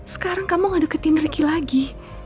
sekarang kamu ngedeketin ricky lagi